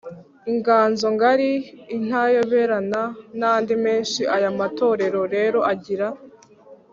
inganzo ngari, intayoberana n’andi menshi aya matorero rero agira